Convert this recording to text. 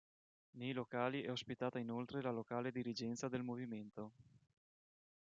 Nei locali è ospitata inoltre la locale dirigenza del movimento.